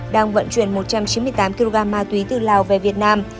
đang vận chuyển một trăm chín mươi tám kg ma túy từ lào về việt nam